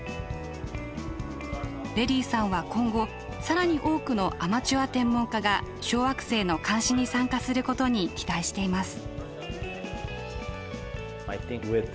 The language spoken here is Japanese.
レディさんは今後更に多くのアマチュア天文家が小惑星の監視に参加することに期待しています。